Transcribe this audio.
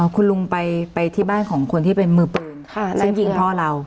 คุณลุงไปที่บ้านของคนที่เป็นมือปืนซึ่งยิงพ่อเรา